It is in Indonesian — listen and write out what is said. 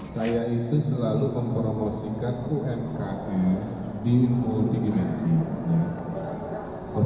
saya itu selalu mempromosikan umkm di multidimensi